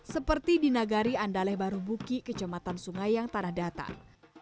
seperti di nagari andaleh baru buki kejematan sungai yang tanah datang